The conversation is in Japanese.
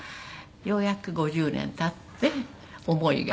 ようやく５０年経って思いが。